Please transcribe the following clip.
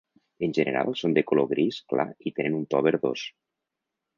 En general són de color gris clar i tenen un to verdós.